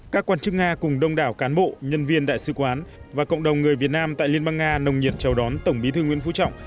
các quan chức nga cùng đông đảo cán bộ nhân viên đại sứ quán và cộng đồng người việt nam tại liên bang nga nồng nhiệt chào đón tổng bí thư nguyễn phú trọng